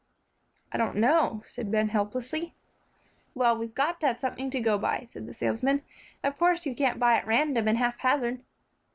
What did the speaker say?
"I don't know," said Ben, helplessly. "Well, we've got to have something to go by," said the salesman; "of course you can't buy at random and haphazard."